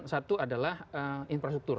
satu adalah infrastruktur